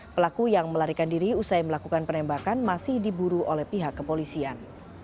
pelaku yang melarikan diri usai melakukan penembakan masih diburu oleh pihak kepolisian